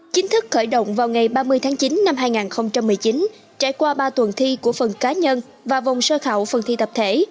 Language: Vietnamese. chính thức khởi động vào ngày ba mươi tháng chín năm hai nghìn một mươi chín trải qua ba tuần thi của phần cá nhân và vòng sơ khảo phần thi tập thể